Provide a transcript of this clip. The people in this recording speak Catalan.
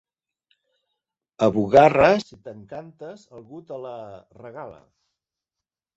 A Bugarra, si t'encantes, algú te la... regala.